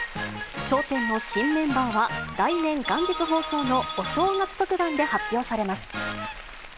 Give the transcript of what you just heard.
笑点の新メンバーは、来年元日放送のお正月特番で発表されます。